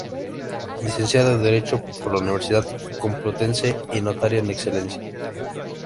Licenciado en Derecho por la Universidad Complutense y notario en excedencia.